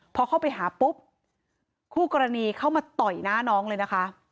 พอเข้าไปหาปุ๊บคู่กรณีเข้ามาต่อยหน้าน้องเลยนะคะ